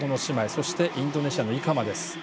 そして、インドネシアのイカマ。